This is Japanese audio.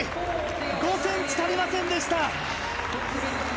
５ｃｍ足りませんでした。